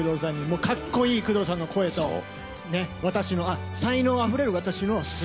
もうかっこいい工藤さんの声とね私の才能あふれる私のすごいピアノ。